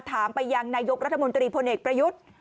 ถามไปยังนายกรัฐมนตรีพลเอกประยุทธ์